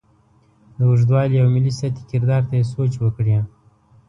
د اوږدوالي او ملي سطحې کردار ته یې سوچ وکړې.